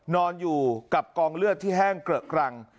นอนอยู่กับกองเลือดที่แห้งเกลอะกรัง